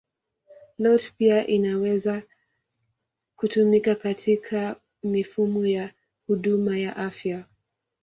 IoT pia inaweza kutumika katika mifumo ya huduma ya afya.